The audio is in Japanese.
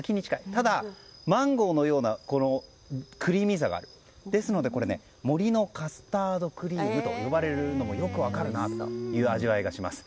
ただ、マンゴーのようなクリーミーさがあるですから森のカスタードクリームと呼ばれるのもよく分かるなという味わいがします。